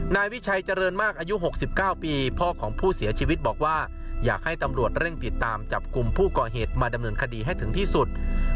นายวิชัยเจริญมากอายุ๖๙ปีพ่อของผู้เสียชีวิตบอกว่าอยากให้ตำรวจเร่งติดตามจับกลุ่มผู้ก่อเหตุมาดำเนินคดีให้ถึงที่สุด